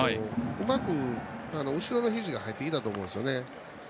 うまく後ろのひじが入ってきたと思うんですよね。